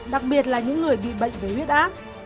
đặc biệt là những người bị bệnh với huyết áp